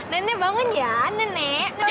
nenek bangun ya nenek